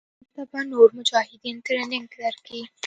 هلته به نور مجاهدين ټرېننګ دركي.